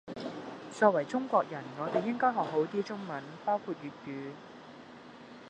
作為中國人我哋應該學好啲中文，包括粵語